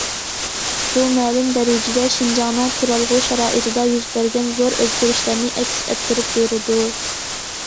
بۇ مەلۇم دەرىجىدە شىنجاڭنىڭ تۇرالغۇ شارائىتىدا يۈز بەرگەن زور ئۆزگىرىشلەرنى ئەكس ئەتتۈرۈپ بېرىدۇ.